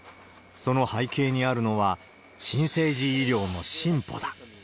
その背景にあるのは、新生児医療の進歩だ。